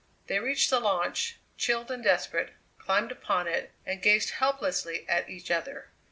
They reached the launch, chilled and desperate, climbed upon it, and gazed helplessly at each other.